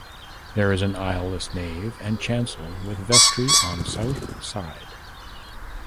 There is an aisleless nave and chancel with vestry on south side.